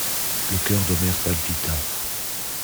Le cœur d'Omer palpita.